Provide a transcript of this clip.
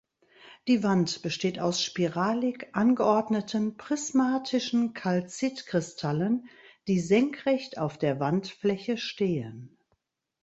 Die Wand besteht aus spiralig angeordneten prismatischen Calcit-Kristallen, die senkrecht auf der Wandfläche stehen.